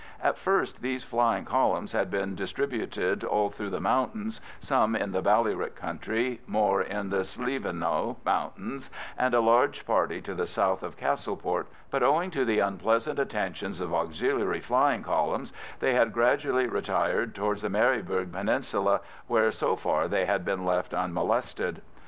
At first these flying columns had been distributed all through the mountains, some in the Ballyrick country, more in the Slievenamoe Mountains, and a large party to the south of Castleport; but owing to the unpleasant attentions of Auxiliary flying columns they had gradually retired towards the Maryburgh Peninsula, where so far they had been left unmolested.